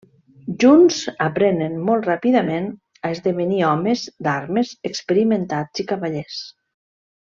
Junts, aprenen molt ràpidament a esdevenir homes d'armes experimentats i cavallers.